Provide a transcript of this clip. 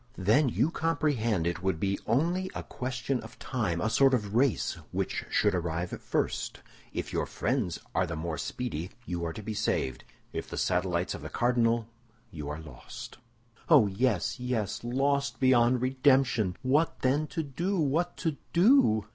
"Then you comprehend it would be only a question of time, a sort of race, which should arrive first. If your friends are the more speedy, you are to be saved; if the satellites of the cardinal, you are lost." "Oh, yes, yes; lost beyond redemption! What, then, to do? What to do?"